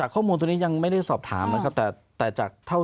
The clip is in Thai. ก่อนที่ตลอดจะมา